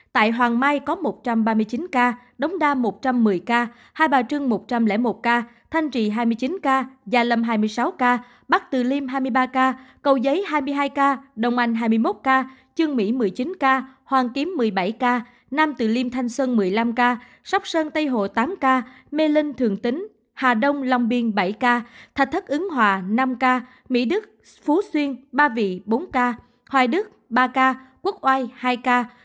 tại hoàng mai có một trăm ba mươi chín ca đống đa một trăm một mươi ca hai bà trưng một trăm linh một ca thanh trị hai mươi chín ca gia lâm hai mươi sáu ca bắc từ liêm hai mươi ba ca cầu giấy hai mươi hai ca đông anh hai mươi một ca trương mỹ một mươi chín ca hoàng kiếm một mươi bảy ca nam từ liêm thanh sơn một mươi năm ca sóc sơn tây hộ tám ca mệ linh thường tính hà đông lòng biên bảy ca thạch thất ứng hòa năm ca mỹ đức phú xuyên ba vị bốn ca hoài đức ba ca quốc oai một mươi ba ca đồng anh hai mươi một ca đồng anh hai mươi một ca trương mỹ một mươi chín ca nam từ liêm thanh sơn một mươi năm ca sóc sơn tây hộ tám ca mệ linh thường tính hà đông lòng biên bảy ca